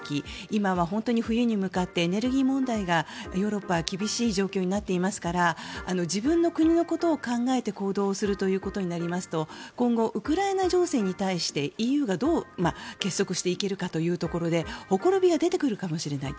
今は本当に冬に向かってエネルギー問題がヨーロッパは厳しい状況になっていますから自分の国のことを考えて行動することになりますと今後、ウクライナ情勢に対してＥＵがどう結束していけるかというところでほころびが出てくるかもしれない。